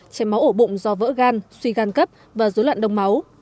chảy máu ở bụng do vỡ gan suy gan cấp và dối loạn đông máu